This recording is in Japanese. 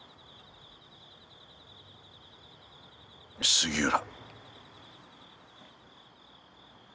杉浦。